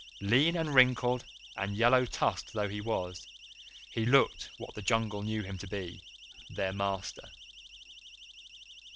Lean and wrinkled and yellow tusked though he was, he looked what the Jungle knew him to be their master.